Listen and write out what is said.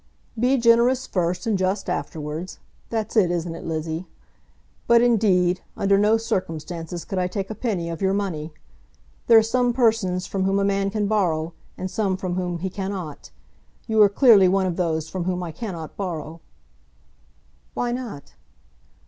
"Be generous first, and just afterwards. That's it; isn't it, Lizzie? But indeed, under no circumstances could I take a penny of your money. There are some persons from whom a man can borrow, and some from whom he cannot. You are clearly one of those from whom I cannot borrow." "Why not?"